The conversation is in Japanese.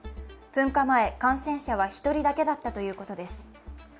噴火前、感染者は１人だけだったということです。